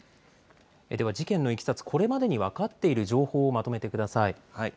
では事件のいきさつ、これまでに分かっている情報をまとめてください。